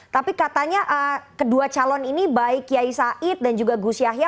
tapi katanya kedua calon ini baik kiai said dan juga gus yahya